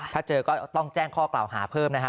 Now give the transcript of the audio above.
ถ้าเจอก็ต้องแจ้งข้อกล่าวหาเพิ่มนะฮะ